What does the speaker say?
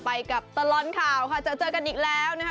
ไปกับตลอดข่าวค่ะเจอเจอกันอีกแล้วนะคะ